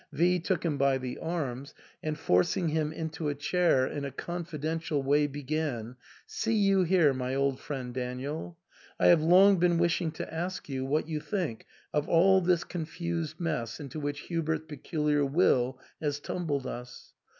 V took him by the arms, and forcing him into a chair, in a confidential way began, " See you here, my old friend Daniel, I have long been wishing to ask you what you think of all this confused mess into which Hubert's peculiar will has tumbled us.